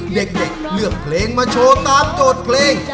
เด็กเลือกเพลงมาโชว์ตามโจทย์เพลง